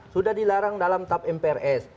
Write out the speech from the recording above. sudah dilarang dalam tap mprs